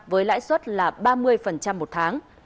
với lãi suất là ba mươi một tháng